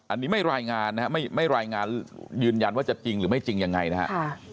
อันนี้ไม่รายงานนะครับไม่รายงานยืนยันว่าจะจริงหรือไม่จริงยังไงนะครับ